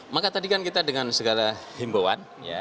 maka tadi kan kita dengan segala himbauan